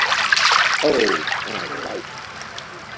Oh, my life!